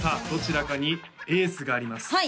どちらかにエースがあります